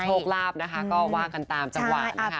โชคลาภนะคะก็ว่ากันตามจังหวะนะคะ